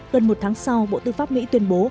gần một tháng sau bộ tư pháp mỹ tuyên bố